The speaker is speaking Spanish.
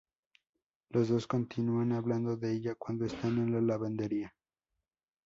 Los dos continúan hablando de ella cuando están en la lavandería.